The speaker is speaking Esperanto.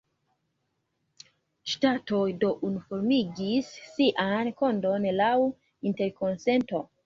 Ŝtatoj do unuformigis sian kodon laŭ interkonsento.